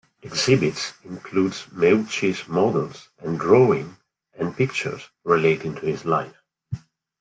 Exhibits include Meucci's models and drawing and pictures relating to his life.